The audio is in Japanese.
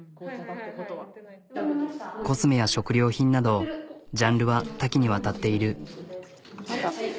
コスメや食料品などジャンルは多岐に渡っている。